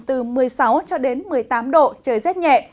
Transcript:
từ một mươi sáu một mươi tám độ trời rất nhẹ